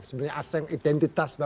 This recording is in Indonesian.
sebenarnya asing identitas